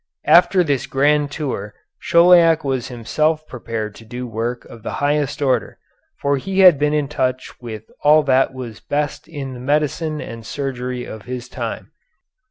After this grand tour Chauliac was himself prepared to do work of the highest order, for he had been in touch with all that was best in the medicine and surgery of his time.